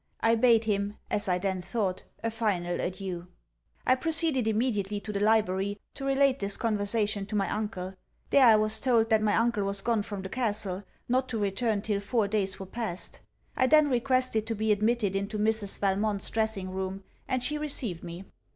I bade him, as I then thought a final adieu. I proceeded immediately to the library, to relate this conversation to my uncle. There I was told, that my uncle was gone from the castle, not to return till four days were past. I then requested to be admitted into Mrs. Valmont's dressing room, and she received me.